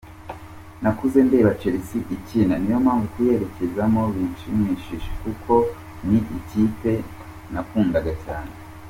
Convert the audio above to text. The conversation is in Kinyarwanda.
Nakuze ndeba Chelsea ikina niyo mpamvu kuyerekezamo bishimishije kuko ni ikipe nakundaga cyane.